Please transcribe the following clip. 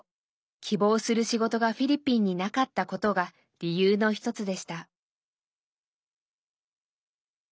希望する仕事がフィリピンになかったことが理由の一つでした。